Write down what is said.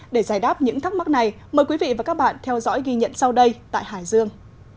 để giải đáp những thắc mắc này mời quý vị và các bạn theo dõi ghi nhận sau đây tại hải dương